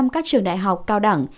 một trăm linh các trường đại học cao đẳng